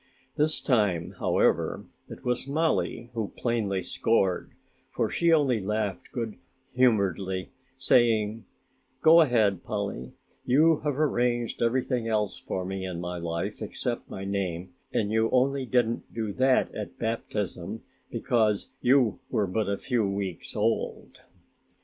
This time, however, it was Mollie who plainly scored, for she only laughed good humouredly saying: "Go ahead, Polly, you have arranged everything else for me in my life except my name and you only didn't do that at baptism because you were but a few weeks old!"